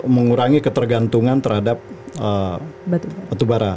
mengurangi ketergantungan terhadap batubara